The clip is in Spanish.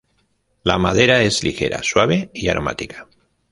La madera es ligera, suave y aromática.